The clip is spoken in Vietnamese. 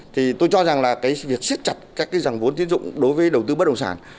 thì tôi cho rằng là cái việc xếp chặt các dòng vốn tín dụng đối với đầu tư bất động sản